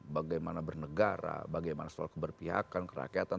bagaimana bernegara bagaimana soal keberpihakan kerakyatan